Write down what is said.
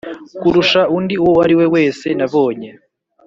kurusha undi uwo ariwe wese nabonye